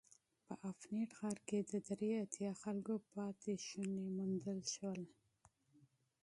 په افنټ غار کې د درې اتیا خلکو پاتې شوني موندل شول.